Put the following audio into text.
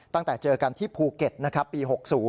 ตั้งแต่เจอกันที่ภูเก็ตนะครับปี๖๐